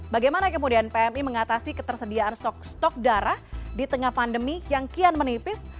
bagaimana kemudian pmi mengatasi ketersediaan stok darah di tengah pandemi yang kian menipis